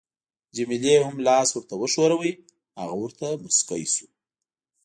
جميله هم لاس ورته وښوراوه، هغه ورته مسکی شو.